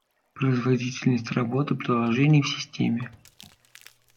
Производительность работы приложений в системе